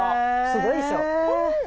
すごいでしょ。